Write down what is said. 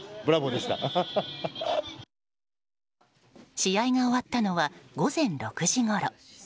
試合が終わったのは午前６時ごろ。